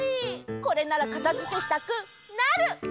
これならかたづけしたくなる！